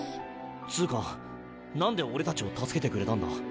つか何で俺たちを助けてくれたんだ？